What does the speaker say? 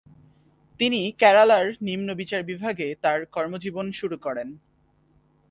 তিনি কেরালার নিম্ন বিচার বিভাগে তার কর্মজীবন শুরু করেন।